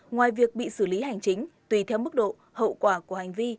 ngoài việc bị xử lý hành chính tùy theo mức độ hậu quả của hành vi